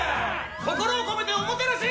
心を込めておもてなし！